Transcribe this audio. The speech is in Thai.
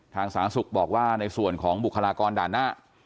สาธารณสุขบอกว่าในส่วนของบุคลากรด่านหน้า